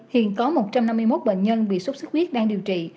hiện có một trăm năm mươi một bệnh nhân bị sốt xuất huyết đang điều trị